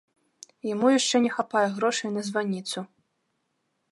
Яму яшчэ не хапае грошай на званіцу.